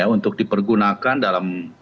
untuk dipergunakan dalam